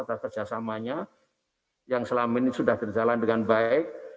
dan kerjasamanya yang selama ini sudah berjalan dengan baik